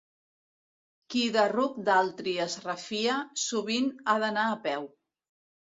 Qui de ruc d'altri es refia, sovint ha d'anar a peu.